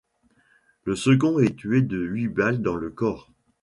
Le second est tué de huit balles dans le corps.